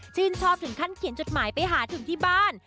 ชื่นชอบถึงขั้นเขียนจดหมายไปหาถึงที่บ้าน